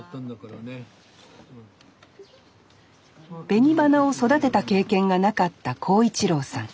紅花を育てた経験がなかった耕一郎さん。